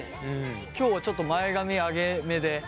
今日はちょっと前髪上げめで。